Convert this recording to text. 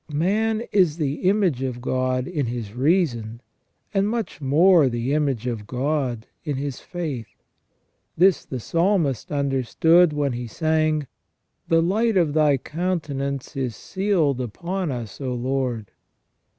Man is the image of God in his reason, and much more the image of God in his faith. This the Psalmist understood when he sang :" The light of Thy countenance is sealed upon us, O Lord